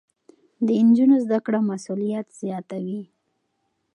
د نجونو زده کړه مسؤليت زياتوي.